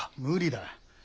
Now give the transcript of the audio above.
無理だ。